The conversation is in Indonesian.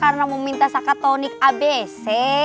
karena mau minta sakat tonik abc